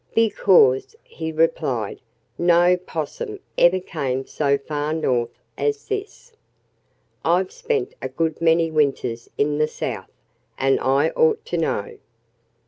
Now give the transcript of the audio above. "Because," he replied, "no 'possum ever came so far North as this. I've spent a good many winters in the South, and I ought to know.